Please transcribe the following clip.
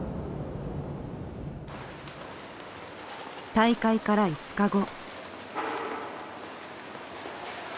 大会から５日後。